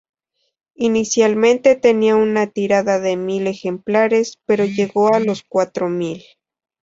Inicialmente tenía una tirada de mil ejemplares, pero llegó a los cuatro mil.